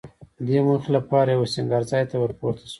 دې موخې لپاره یوه سینګار ځای ته ورپورته شوه.